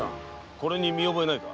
これに見覚えはないか？